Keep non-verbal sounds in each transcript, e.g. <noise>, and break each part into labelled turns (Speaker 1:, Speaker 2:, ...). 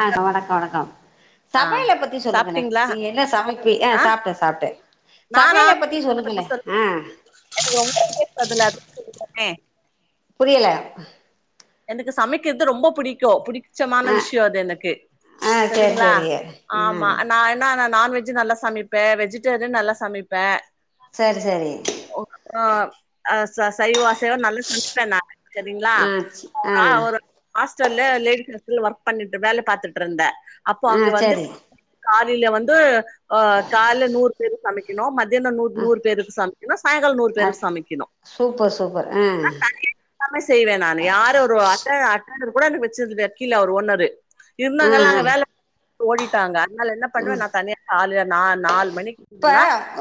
Speaker 1: அஹ் வணக்கம் வணக்கம்
Speaker 2: ஆ
Speaker 1: சமயல பத்தி சொல்லுங்களேன்
Speaker 2: சாப்ட்டீங்களா
Speaker 1: நீ என்ன சமைப்பி ஆன்
Speaker 2: ஆ
Speaker 1: சாப்ட்ட சாப்ட்டேன்
Speaker 2: நானா
Speaker 1: சமயல பத்தி
Speaker 2: சமைக்கிறத
Speaker 1: சொல்லுங்களேன்
Speaker 2: சொல்
Speaker 1: ஆன்
Speaker 2: டே
Speaker 1: புரியல
Speaker 2: எனக்கு சமக்கிறது ரொம்ப புடிக்கும் புடி மிச்சமான
Speaker 1: ஆ
Speaker 2: விஷயம் அது எனக்கு
Speaker 1: ஆ சேரி
Speaker 2: சரிங்களா
Speaker 1: சேரி ஆ
Speaker 2: ஆம்மா நான் என்ன நான்வெஜ் நல்லா சமைப்பேன் வெஜிடேரியன் நல்லா சமைப்பேன்
Speaker 1: சரி சரி
Speaker 2: ஆஹ சைவ அசைவம் நல்லா சமைப்பேன் நானு சரிங்களா ஒரு
Speaker 1: ஆன்
Speaker 2: ஒரு ஹாஸ்டல்ல லேடிஸ் ஹஸ்ட ஒர்க பண்ணிட்டு வேல பாத்துட்டு இருந்த அப்போ
Speaker 1: ஆ
Speaker 2: அங்க வந்து
Speaker 1: சரி
Speaker 2: காலில வந்து ஆஹ் கால நூறு பேரு சமைக்கணும் ம தியான
Speaker 1: ஆ
Speaker 2: நூறு பேருக்கு சமக்கணும் சாயங்காலம் நூறு பேருக்கு
Speaker 1: அடுத்
Speaker 2: சமைக்கணும்
Speaker 1: சூப்பர் சூப்பர் ஆ
Speaker 2: எல்லாமே செய்வேன் நான் யாரும் <unintelligible> அட்டன் அட்டென்ட்ட்டர் கூட வச்சதில கிழ அவர் ஒனாரு
Speaker 1: ஆ
Speaker 2: இருந்தாங்கல்லா
Speaker 1: ஆ
Speaker 2: அங்க வேல ஓடிட்டாங்க அதனால என்ன
Speaker 1: ம்
Speaker 2: பண்ணுவன் நான் தனிய தாளு நான் நால்
Speaker 1: இப்ப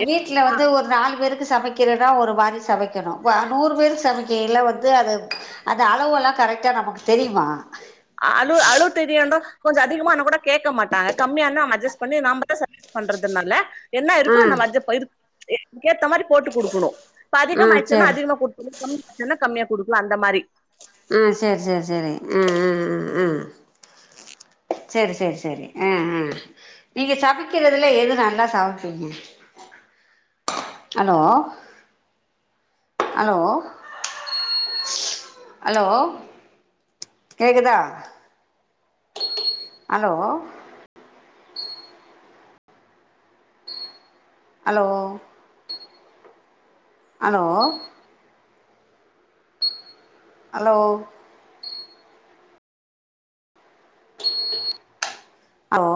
Speaker 1: வீட்ல வந்து ஒரு நாலு பேருக் கு சமைக்கிறனா ஒரு மாரி சமைக்கணும் நூறு பேருக்கு சமைக்கையில வந்து அத அந்த அளவுயெல்லாம் கரெக்டா நமக்கு தெரியுமா
Speaker 2: கொஞ்சம் அதிகமான கூட கேக்க மாட்டாங்க கம்மியான அட்ஜஸ்ட் பண்ணி நாமதான் சஜஸ் பண்றதுனால என்ன
Speaker 1: ஆ
Speaker 2: இருக்கோ இந்த மஜ்ஜ போயிருக்கு க்கேத்த மாரி போட்டு குடுக்கணும் இப்ப அதிகம்
Speaker 1: ஆ
Speaker 2: ஆயிச்சன்னா
Speaker 1: சரி
Speaker 2: அதிகமா கொடுத்துனும் கம்மி என்ன கம்மியா குடுக்கலாம் அந்த மாரி
Speaker 1: ஆஹ் சரி சரி சரி உம் உம் உம் செரி செரி செரி உம் உம் நீங்க சமைக்கிறல்லது எது நல்லா சமைப்பீங்க அலோ அலோ அலோ கேக்குதா அலோ அலோ அலோ அலோ அ ஓ